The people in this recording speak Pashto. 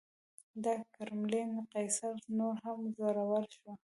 د کرملین قیصر نور هم زړور شو.